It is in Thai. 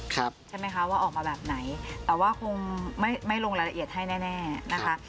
ใช่ไหมคะว่าออกมาแบบไหนแต่ว่าคงไม่ลงรายละเอียดให้แน่นะคะ